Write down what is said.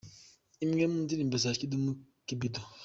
Imwe mu ndirimbo za Kidum Kibido:.